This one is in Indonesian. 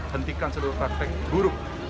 hentikan seluruh praktek buruk